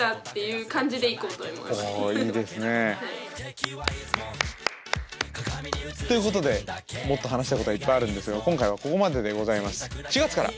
おいいですね。ということでもっと話したいことはいっぱいあるんですが今回はここまででございます。